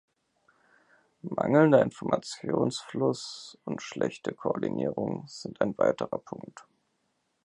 Mangelnder Informationsfluss und schlechte Koordinierung sind ein weiterer Punkt.